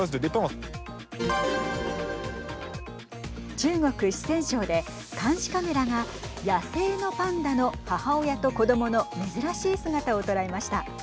中国、四川省で監視カメラが野生のパンダの母親と子どもの珍しい姿を捉えました。